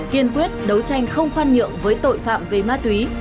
kiên quyết đấu tranh không khoan nhượng với tội phạm về ma túy